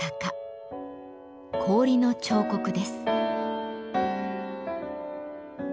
氷の彫刻です。